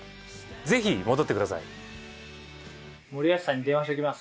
ぜひ戻ってください。